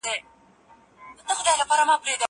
زه پرون موبایل کاروم؟!